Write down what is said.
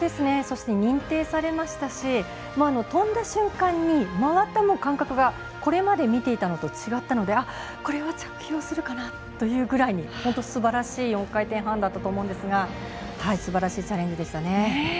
そして認定されましたし跳んだ瞬間に、回った感覚がこれまで見ていたのと違ったのでこれは着氷するかなというくらい本当にすばらしい４回転半だと思ったんですがすばらしいチャレンジでしたね。